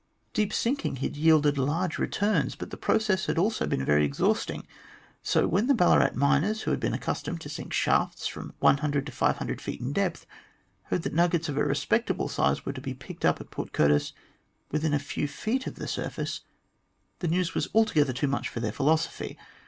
Deep sinking had yielded large returns, but the process had also been very exhausting. So when the Ballarat miners, who had been accustomed to sink shafts from 100 to 500 feet in depth, heard that nuggets of a respectable size were to be picked up tit Port Curtis within a few feet of the surface, the news was altogether too much for their philosophy.